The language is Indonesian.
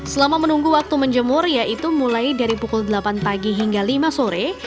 selama menunggu waktu menjemur yaitu mulai dari pukul delapan pagi hingga lima sore